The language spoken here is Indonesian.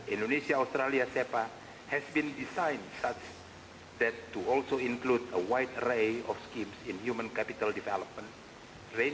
indonesia australia sepa telah disesuaikan untuk memiliki arang yang luas dalam pembangunan kapital manusia